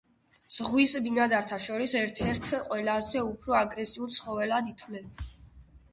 ზღვის ბინადართა შორის ერთ-ერთ ყველაზე უფრო აგრესიულ ცხოველად ითვლება.